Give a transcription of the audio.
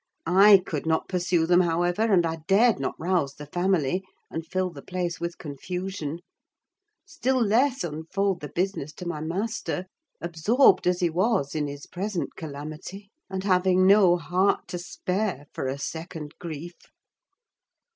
I could not pursue them, however; and I dared not rouse the family, and fill the place with confusion; still less unfold the business to my master, absorbed as he was in his present calamity, and having no heart to spare for a second grief!